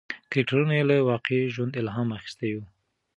کرکټرونه یې له واقعي ژوند الهام اخیستی و.